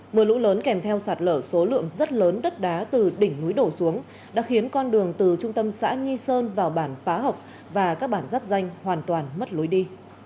mưa lũ lớn kèm theo sạt lở số lượng rất lớn đất đá từ đỉnh núi đổ xuống đã khiến con đường từ trung tâm xã nhi sơn vào bản pá hộc và các bản dắp danh hoàn toàn mất lối đi